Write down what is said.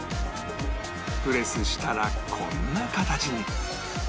プレスしたらこんな形に